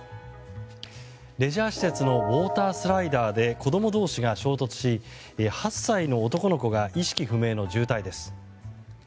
レジャー施設のウォータースライダーで子供同士が衝突し８歳の男の子が意識不明の重体です。